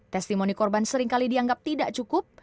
testimoni korban seringkali dianggap tidak cukup